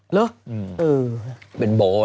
หรือเป็นโบ๊ะอะไรอย่างนี้